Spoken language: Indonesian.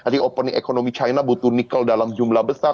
re opening ekonomi china butuh nikel dalam jumlah besar